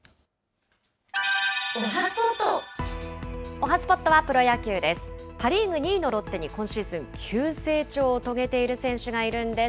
おはＳＰＯＴはプロ野球です。